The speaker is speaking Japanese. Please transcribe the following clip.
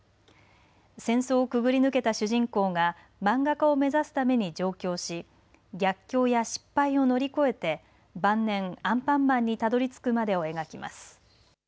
戦争をくぐり抜けた主人公が漫画家を目指すために上京し逆境や失敗を乗り越えて晩年アンパンマンにたどりつくまでを描きます。